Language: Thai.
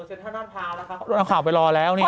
ส์แสนทัลงภาษณ์นะคะคนหนังข่าวไปรอแล้วเนี่ย